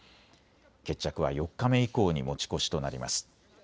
決着は４日目以降に持ち越しとなります。